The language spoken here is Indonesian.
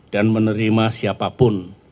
dan menerima siapapun